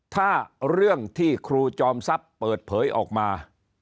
ถ้าเรื่องที่ครูจอมทรัพย์เปิดเผยออกมา